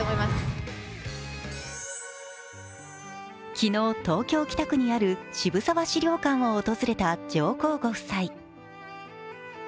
昨日、東京・北区にある渋沢史料館を訪れた上皇ご夫妻。